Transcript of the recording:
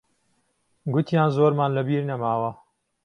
گوتیان زۆرمان لەبیر نەماوە.